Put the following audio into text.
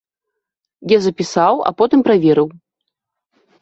Я запісаў, а потым праверыў.